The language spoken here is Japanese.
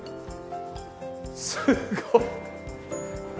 すごっ。